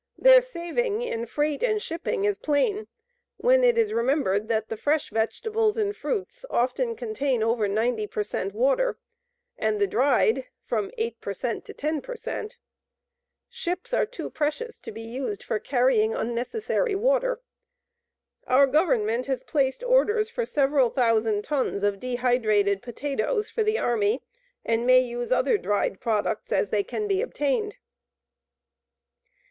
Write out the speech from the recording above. Their saving in freight and shipping is plain, when it is remembered that the fresh vegetables and fruits often contain over 90 per cent water, and the dried from 8 per cent to 10 per cent. Ships are too precious to be used for carrying unnecessary water. Our Government has placed orders for several thousand tons of dehydrated potatoes for the Army and may use other dried products as they can be obtained.